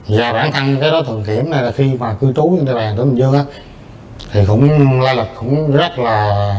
và bản thân cái đó thường kiểm này là khi mà cư trú trên đài bàn của kiểm thì cũng loại lực cũng rất là